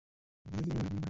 কিছু ঝামেলায় জড়াবো।